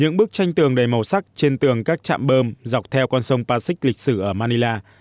những bức tranh tường đầy màu sắc trên tường các chạm bơm dọc theo con sông pacic lịch sử ở manila